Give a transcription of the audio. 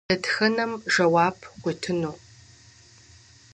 Дэтхэнэм жэуап къитыну?